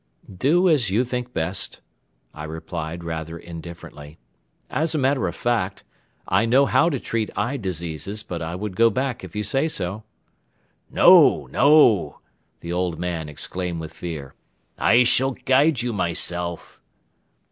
"Do as you think best," I replied rather indifferently. "As a matter of fact, I know how to treat eye diseases but I would go back if you say so." "No, no!" the old man exclaimed with fear. "I shall guide you myself."